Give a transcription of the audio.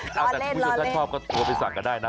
รอเล่นรอเล่นแต่ถ้าคุณชอบก็โทรไปสั่งก็ได้นะ